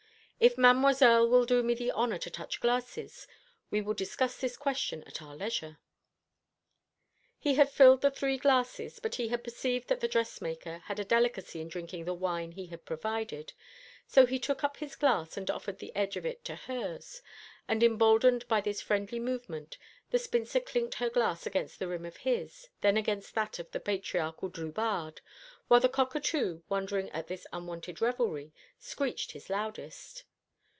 If Mademoiselle will do me the honour to touch glasses, we will discuss this question at our leisure." He had filled the three glasses, but he had perceived that the dressmaker had a delicacy in drinking the wine he had provided, so he took up his glass and offered the edge of it to hers; and, emboldened by this friendly movement, the spinster clinked her glass against the rim of his, then against that of the patriarchal Drubarde, while the cockatoo, wondering at this unwonted revelry, screeched his loudest.